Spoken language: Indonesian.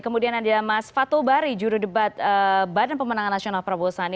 kemudian ada mas fatul bari jurudebat badan pemenangan nasional prabowo sandi